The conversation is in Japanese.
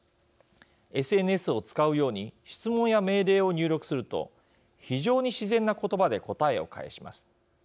ＳＮＳを使うように質問や命令を入力すると非常に自然な言葉で答えを返します。